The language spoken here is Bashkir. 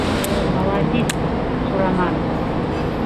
Маладис, Сураман!